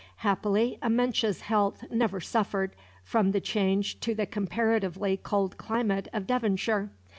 Happily, Amenche's health never suffered from the change to the comparatively cold climate of Devonshire.